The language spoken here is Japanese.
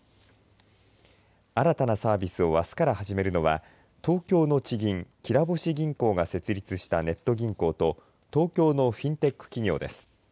新たなサービスをあすから始めるのは東京の地銀きらぼし銀行が設立したネット銀行と東京のフィンテック企業です。